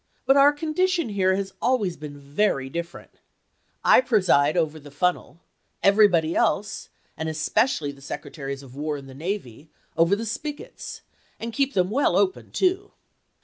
But our condition here has always been very different. I preside over the fun nel ; everybody else, and especially the Secretaries of War and the Navy, over the spigots — and keep them well open, too.